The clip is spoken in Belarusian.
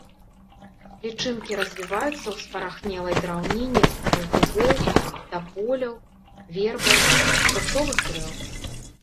Лічынкі развіваюцца ў спарахнелай драўніне старых дубоў, таполяў, вербаў, фруктовых дрэў.